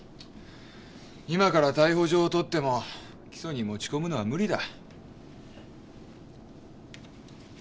今から逮捕状を取っても起訴に持ち込むのは無理だ。